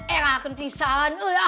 enggak akan pisah